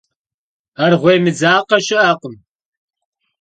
Arğuêy mıdzakhe şı'ekhım.